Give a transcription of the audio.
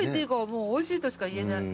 もうおいしいとしか言えない。